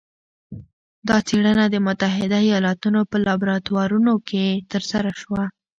دا څېړنه د متحده ایالتونو په لابراتورونو کې ترسره شوه.